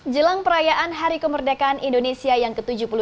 jelang perayaan hari kemerdekaan indonesia yang ke tujuh puluh tiga